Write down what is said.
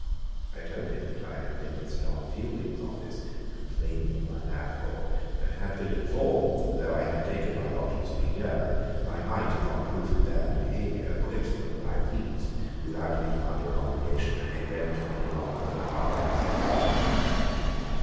I told him that I had been at Sir John Fielding's office, complaining of my landlord, and had been informed, that though I had taken my lodgings for a year, I might, upon proof of his bad behaviour, quit them when I pleased, without being under an obligation to pay rent for any longer time than while I possessed them.